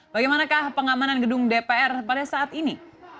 bagaimanakah pengamanan gedung dpr pada saat ini